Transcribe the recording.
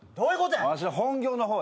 わしの本業の方や。